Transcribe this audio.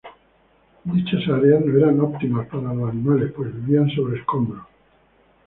Dichas áreas no eran óptimas para los animales, pues vivían sobre escombros.